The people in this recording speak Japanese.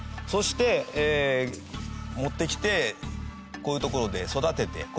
そして持ってきてこういう所で育てて。